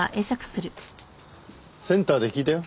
センターで聞いたよ。